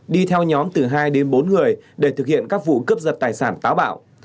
đi theo nhóm từ hai đến bốn người để thực hiện các vụ cướp giật tài sản táo bạo